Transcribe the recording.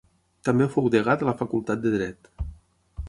També fou degà de la Facultat de Dret.